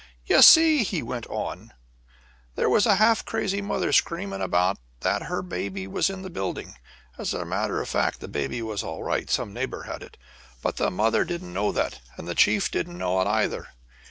"You see," he went on, "there was a half crazy mother screaming around that her baby was in the building. As a matter of fact, the baby was all right some neighbors had it but the mother didn't know that, and the chief didn't know it, either.